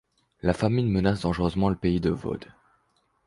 La famine menace dangereusement le Pays de Vaud.